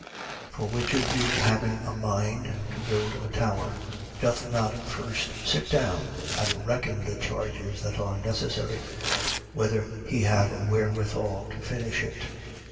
14:28. For which of you, having a mind to build a tower, doth not first sit down and reckon the charges that are necessary, whether he have wherewithal to finish it: 14:29.